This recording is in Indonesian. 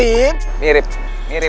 m pilih pesawat mereka sendiri